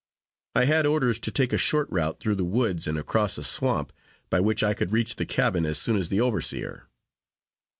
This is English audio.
I had orders to take a short route, through the woods and across a swamp, by which I could reach the cabin as soon as the overseer.